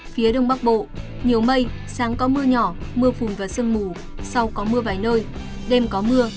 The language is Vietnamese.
phía đông bắc bộ nhiều mây sáng có mưa nhỏ mưa phùn và sương mù sau có mưa vài nơi đêm có mưa